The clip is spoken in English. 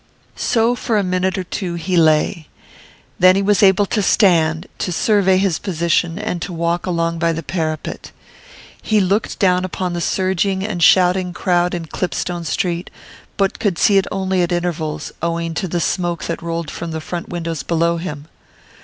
So for a minute or two he lay. Then he was able to stand, to survey his position, and to walk along by the parapet. He looked down upon the surging and shouting crowd in Clipstone Street, but could see it only at intervals, owing to the smoke that rolled from the front windows below him.